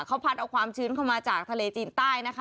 เขาพัดเอาความชื้นเข้ามาจากทะเลจีนใต้นะคะ